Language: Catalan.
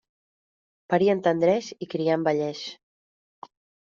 Parir entendreix i criar envelleix.